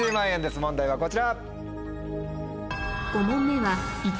問題はこちら。